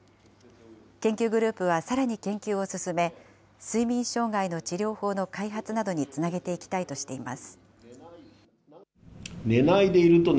研究グループはさらに研究を進め、睡眠障害の治療法の開発などにつなげていきたいとしています。